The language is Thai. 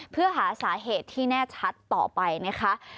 เพื่อหาสาเหตุที่แน่ชัดต่อไปนะคะ